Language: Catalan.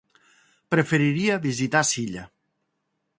Preferiria visitar Silla.